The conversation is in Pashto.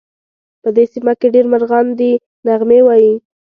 په دې سیمه کې ډېر مرغان دي نغمې وایې